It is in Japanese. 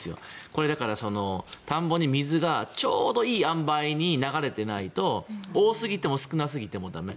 これ、だから田んぼに水がちょうどいい塩梅に流れてないと多すぎても少なすぎても駄目。